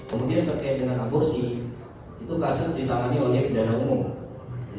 kemudian terkait dengan aborsi itu kasus ditangani oleh pidana umum